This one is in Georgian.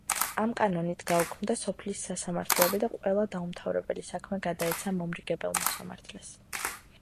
ამ კანონით გაუქმდა სოფლის სასამართლოები და ყველა დაუმთავრებელი საქმე გადაეცა მომრიგებელ მოსამართლეს.